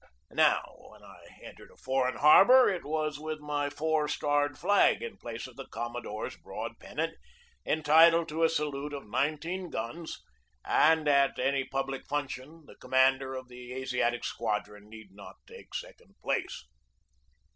Now, when I entered a foreign harbor, it was with my four starred flag in place of the commodore's broad pennant, entitled to a salute of nineteen guns, and at any public function the commander of the Asiatic Squadron need not take second place.